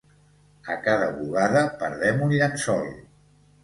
A cada bugada perdem un llençol